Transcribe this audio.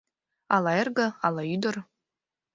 Ала эрге, ала ӱдыр